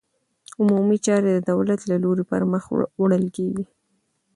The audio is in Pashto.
عمومي چارې د دولت له لوري پرمخ وړل کېږي.